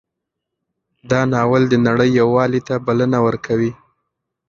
دا ناول د نړۍ یووالي ته بلنه ورکوي.